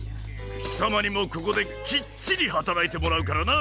きさまにもここできっちりはたらいてもらうからな。